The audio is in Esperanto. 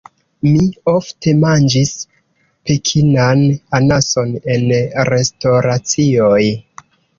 Mi ofte manĝis Pekinan Anason en restoracioj.